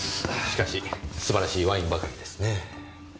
しかし素晴らしいワインばかりですねぇ。